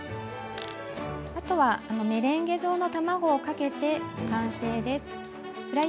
あとはメレンゲ状の卵をかけて完成です。